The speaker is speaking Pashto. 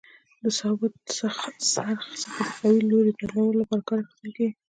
د ثابت څرخ څخه د قوې لوري بدلولو لپاره کار اخیستل کیږي.